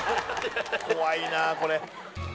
怖いなこれ。